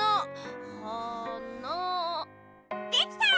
できた！